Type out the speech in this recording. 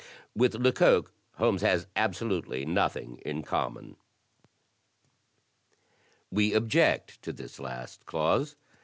With Lecoq, Holmes has absolutely nothing in common." We object to this last clause.